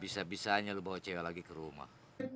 bisa bisanya lu bawa cewe lagi ke rumah